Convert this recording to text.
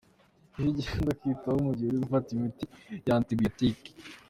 Iby’ingenzi ugomba kwitaho mu gihe uri gufata imiti ya antibiyotike.